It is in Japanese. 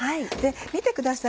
見てください